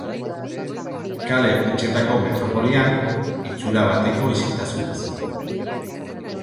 Kale hutsetako metropolian, itxura bateko isiltasunaz.